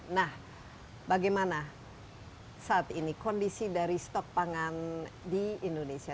nah bagaimana saat ini kondisi dari stok pangan di indonesia